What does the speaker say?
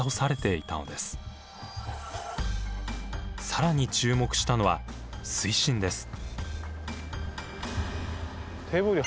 更に注目したのは水深です。